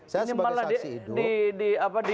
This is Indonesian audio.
saya sebagai saksi hidup